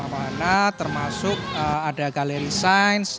dua puluh lima wahana termasuk ada gallery science